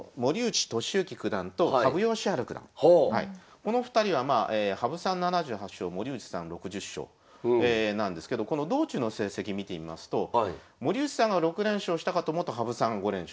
この２人はまあ羽生さん７８勝森内さん６０勝なんですけどこの道中の成績見てみますと森内さんが６連勝したかと思うと羽生さんが５連勝。